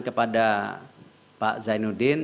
kepada pak zainuddin